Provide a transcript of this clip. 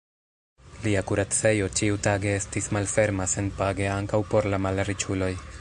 Lia kuracejo ĉiutage estis malferma senpage ankaŭ por la malriĉuloj.